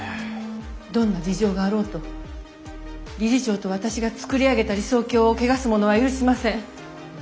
どんな事情があろうと理事長と私が作り上げた理想郷を汚す者は許しません。